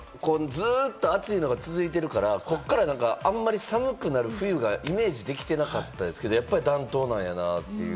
ずっと暑いのが続いてるから、ここからあんまり寒くなる冬がイメージできてなかったですけれども、やっぱり暖冬なんやなって。